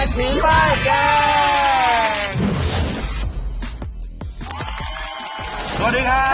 สวัสดีค่ะ